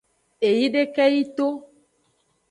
Eyideke yi to.